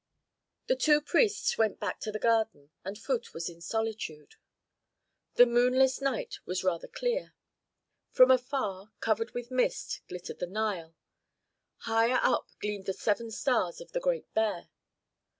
The two priests went back to the garden, and Phut was in solitude. The moonless night was rather clear. From afar, covered with mist, glittered the Nile; higher up gleamed the seven stars of the Great Bear.